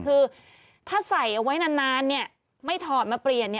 คือถ้าใส่เอาไว้นานไม่ถอดมาเปลี่ยน